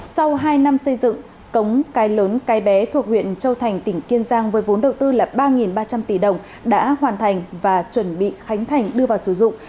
sau hai năm xây dựng cống cái lớn cái bé thuộc huyện châu thành tỉnh kiên giang với vốn đầu tư là ba ba trăm linh tỷ đồng đã hoàn thành và chuẩn bị khánh thành đưa vào sử dụng